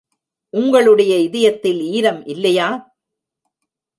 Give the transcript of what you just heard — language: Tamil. உங்களுடைய இதயத்தில் ஈரம் இல்லையா?